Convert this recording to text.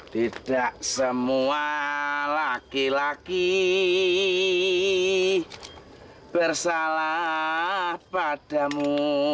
tidak semua laki laki bersalah padamu